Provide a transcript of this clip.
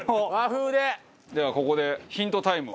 ではここでヒントタイム。